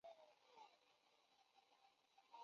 玩家的重生位置取决于玩家的目标变化。